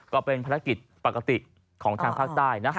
ก็เป็นประกฏิของทางภาคใต้นะ